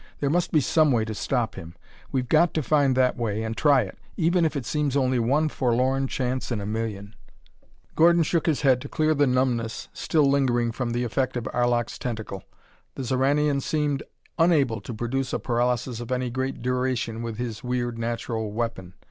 There must be some way to stop him. We've got to find that way and try it even if it seems only one forlorn chance in a million." Gordon shook his head to clear the numbness still lingering from the effect of Arlok's tentacle. The Xoranian seemed unable to produce a paralysis of any great duration with his weird natural weapon.